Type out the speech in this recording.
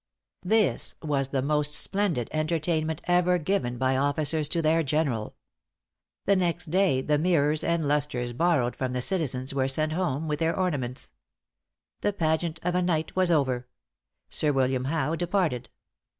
This was the most splendid entertainment ever given by officers to their general. The next day the mirrors and lustres borrowed from the citizens were sent home, with their ornaments. The pageant of a night was over; Sir William Howe departed.